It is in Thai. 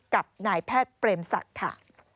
กับนายแพทย์เปรมศักดิ์ค่ะ